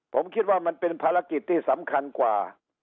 ผมคิดว่ามันเป็นภารกิจที่สำคัญกว่า